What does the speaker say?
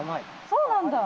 そうなんだ。